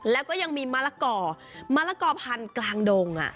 แล้วก็ยังมีมะละก่อมะละกอพันธุ์กลางดง